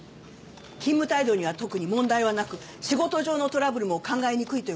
勤務態度には特に問題はなく仕事上のトラブルも考えにくいという事でした。